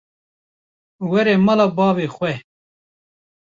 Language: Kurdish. Were mala bavê xwe.